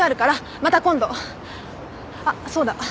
あっそうだ。